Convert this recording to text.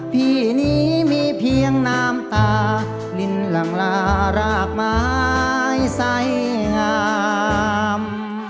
พี่นี้มีเพียงน้ำตาลินหลังลารากไม้ไสงาม